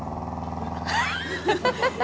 ハハハハハ。